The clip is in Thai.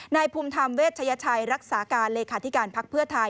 ภูมิธรรมเวชยชัยรักษาการเลขาธิการพักเพื่อไทย